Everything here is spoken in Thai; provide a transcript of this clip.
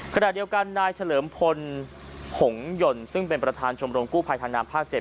ขณะเดียวกันนายเฉลิมพลหงหย่นซึ่งเป็นประธานชมรมกู้ภัยทางน้ำภาค๗